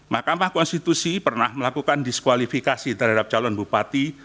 mahkamah konstitusi pernah melakukan diskualifikasi terhadap calon bupati